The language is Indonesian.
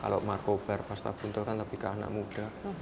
kalau marco ver pasta buntol kan lebih ke anak muda